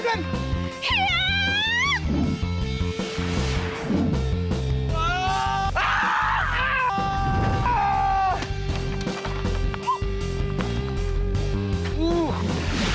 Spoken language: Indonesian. jalan jangan lari jangan lari